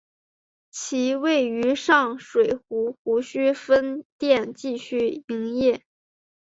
其位于上水石湖墟分店继续营业。